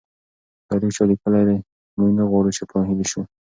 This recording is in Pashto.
دا لیک چا لیکلی دی؟ موږ نه غواړو چې ناهیلي سو.